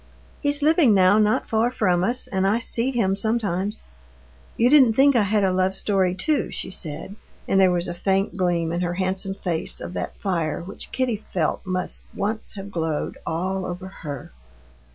He's living now not far from us, and I see him sometimes. You didn't think I had a love story too," she said, and there was a faint gleam in her handsome face of that fire which Kitty felt must once have glowed all over her.